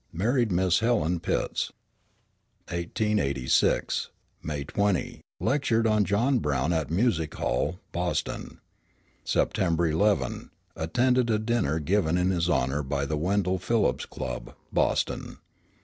Married Miss Helen Pitts. 1886 May 20. Lectured on John Brown at Music Hall, Boston. September 11. Attended a dinner given in his honor by the Wendell Phillips Club, Boston.